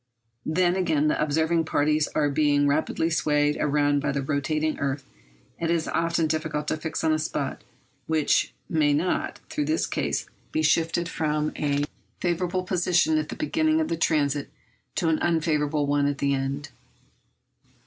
Then again, the observing parties are being rapidly swayed round by the rotating earth and it is often difficult to fix on a spot which may not, through this cause, be shifted from a favourable position at the beginning of the transit to an unfavourable one at the end.